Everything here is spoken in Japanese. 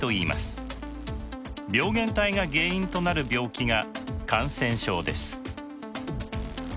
病原体が原因となる病気が感染症です。